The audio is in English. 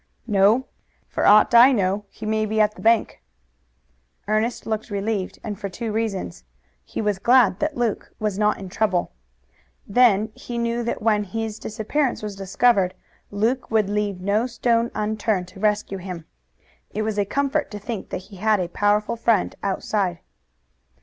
"No. For aught I know he may be at the bank." Ernest looked relieved and for two reasons. He was glad that Luke was not in trouble. Then he knew that when his disappearance was discovered Luke would leave no stone unturned to rescue him. It was a comfort to think that he had a powerful friend outside.